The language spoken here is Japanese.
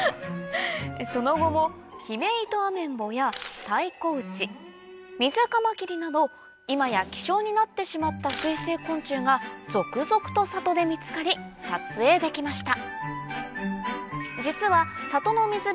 その後もヒメイトアメンボやタイコウチミズカマキリなど今や希少になってしまった水生昆虫が続々と里で見つかり撮影できました